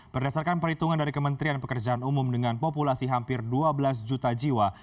berdasarkan perhitungan dari kementerian pekerjaan umum dengan populasi hampir dua belas juta jiwa